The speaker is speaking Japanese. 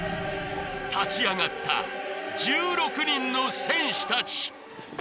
立ち上がった１６人の戦士たち！